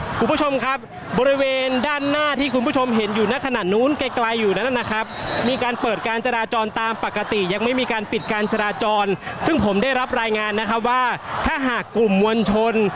คุณผู้ชมครับบริเวณด้านหน้าที่คุณผู้ชมเห็นอยู่ในขนาดนู้นไกลไกลอยู่นั้นนะครับมีการเปิดการจราจรตามปกติยังไม่มีการปิดการจราจรซึ่งผมได้รับรายงานนะครับว่าถ้าหากกลุ่มมวลชน